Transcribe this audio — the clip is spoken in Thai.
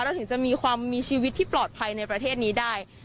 ถึงจะมีความมีชีวิตที่ปลอดภัยในประเทศนี้ได้